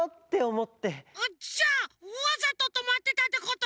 じゃあわざととまってたってこと？